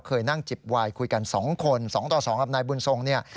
เคยนั่งจิบวายคุยกัน๒คน๒ต่อ๒กับนายบุญทรงเนี่ย